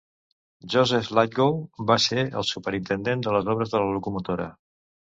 Joseph Lythgoe va ser el superintendent de les obres de la locomotora.